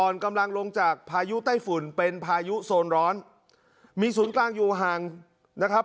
อ่อนกำลังลงจากพายุไต้ฝุ่นเป็นพายุโซนร้อนมีศูนย์กลางอยู่ห่างนะครับ